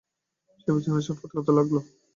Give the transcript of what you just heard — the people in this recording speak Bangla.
সে বিছানায় ছটফট করতে লাগল।